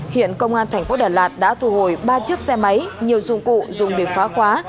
hiện công an thành phố đà lạt đã thu hồi ba chiếc xe máy nhiều dụng cụ dùng để phá khóa